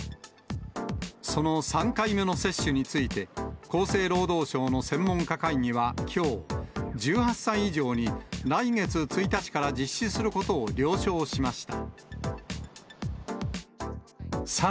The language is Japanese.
その３回目の接種について、厚生労働省の専門家会議はきょう、１８歳以上に、来月１日から実施することを了承しました。